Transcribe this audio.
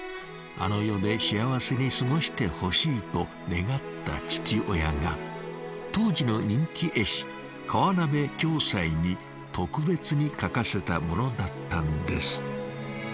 「あの世で幸せに過ごしてほしい」と願った父親が当時の人気絵師河鍋暁斎に特別に描かせたものだったんです。